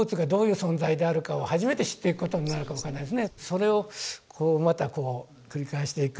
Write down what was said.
それをまたこう繰り返していく。